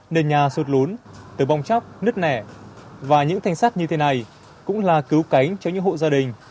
nền nhà sụt lún từ bong chóc nứt nẻ và những thanh sắt như thế này cũng là cứu cánh cho những hộ gia đình